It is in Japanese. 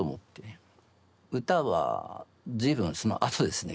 歌は随分そのあとですね